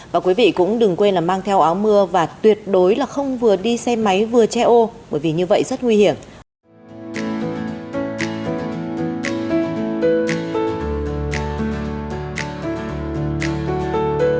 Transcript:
và quý vị cũng đừng quên là mang theo áo mưa và tuyệt đối là không vừa đi xe máy vừa che ô bởi vì như vậy rất nguy hiểm